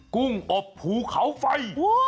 กุ้งอบภูเขาไฟ